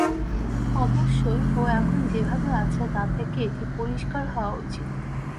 অবশ্যই, ও এখন যেভাবে আছে তা থেকে এটি পরিষ্কার হওয়া উচিত।